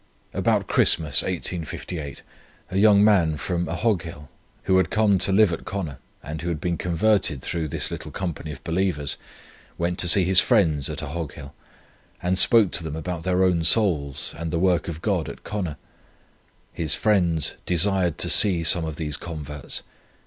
"About Christmas, 1858, a young man, from Ahoghill, who had come to live at Connor, and who had been converted through this little company of believers, went to see his friends at Ahoghill, and spoke to them about their own souls, and the work of God at Connor. His friends desired to see some of these converts.